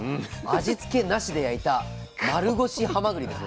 味付けなしで焼いた丸腰はまぐりです